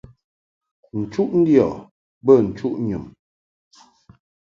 Nchuʼ ndiɔ bə nchuʼ nyum.